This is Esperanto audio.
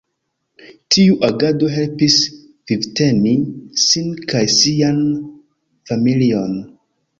Tiu agado helpis vivteni sin kaj sian familion.